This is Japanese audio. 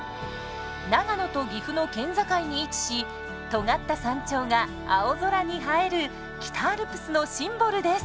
長野と岐阜の県境に位置しとがった山頂が青空に映える北アルプスのシンボルです。